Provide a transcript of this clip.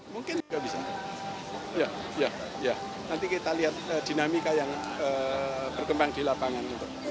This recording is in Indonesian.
mungkin juga bisa ya nanti kita lihat dinamika yang berkembang di lapangan